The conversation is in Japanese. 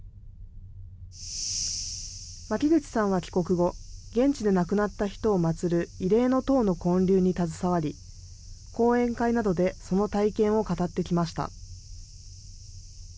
巻口さんは帰国後、現地で亡くなった人をまつる慰霊の塔の建立に携わり、講演会などでその体験を語ってきました。